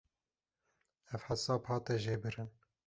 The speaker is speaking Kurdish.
Ev hesab hate jêbirin.